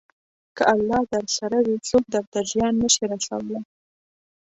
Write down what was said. که الله درسره وي، څوک درته زیان نه شي رسولی.